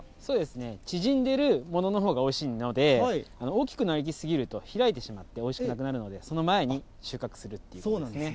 縮んでいるもののほうがおいしいので、大きくなり過ぎると開いてしまっておいしくなくなるので、その前そうなんですね。